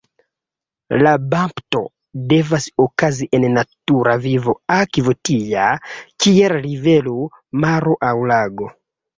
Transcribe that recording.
La bapto devas okazi en natura viva akvo tia, kiel rivero, maro, aŭ lago.